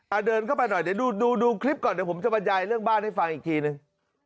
เดินเข้าไปหน่อยเดี๋ยวดูดูคลิปก่อนเดี๋ยวผมจะบรรยายเรื่องบ้านให้ฟังอีกทีนึง